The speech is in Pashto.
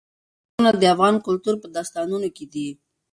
ښارونه د افغان کلتور په داستانونو کې دي.